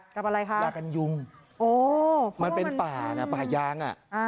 กับอะไรค่ะยากันยุงมันเป็นป่าป่าย้าง